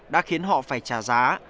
đã khiến họ phải trả giá